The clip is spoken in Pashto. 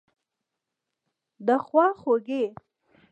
دخوا خوګۍ